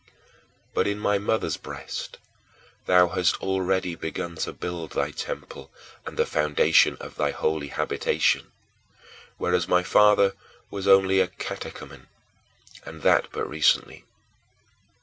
But in my mother's breast thou hadst already begun to build thy temple and the foundation of thy holy habitation whereas my father was only a catechumen, and that but recently.